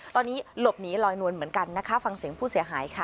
ตอนนี้หลบหนีลอยนวลเหมือนกันนะคะฟังเสียงผู้เสียหายค่ะ